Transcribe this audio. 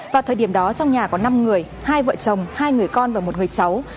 vào thời điểm đó trong nhà có năm người hai vợ chồng hai người con và một người cháu